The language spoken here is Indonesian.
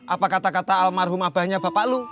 apa kata kata almarhum abahnya bapak lu